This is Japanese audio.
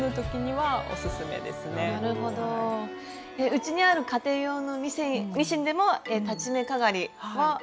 うちにある家庭用のミシンでも裁ち目かがりは使えますか？